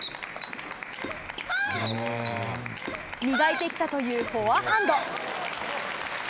磨いてきたというフォアハンド。